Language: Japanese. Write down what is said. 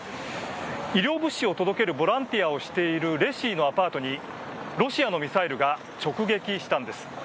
医療物資を届けるボランティアをしているレシィのアパートにロシアのミサイルが直撃したんです。